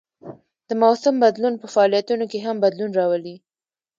د موسم بدلون په فعالیتونو کې هم بدلون راولي